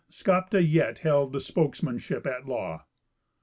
Skapti yet held the spokesmanship at law.